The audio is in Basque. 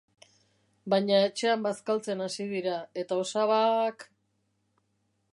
Baina etxean bazkaltzen hasi dira, eta osabak...